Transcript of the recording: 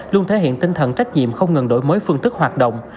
luôn thể hiện tinh thần trách nhiệm không ngừng đổi mới phương thức hoạt động